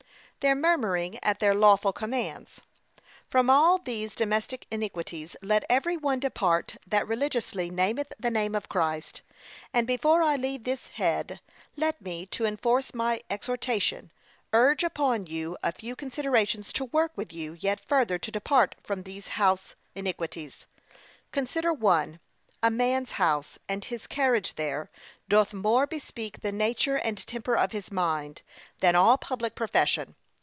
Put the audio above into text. Their murmuring at their lawful commands, &c. From all these domestic iniquities, let every one depart that religiously nameth the name of Christ. And before I leave this head, let me, to enforce my exhortation, urge upon you a few considerations to work with you yet further to depart from these house iniquities. Consider 1. A man's house, and his carriage there, doth more bespeak the nature and temper of his mind, than all public profession.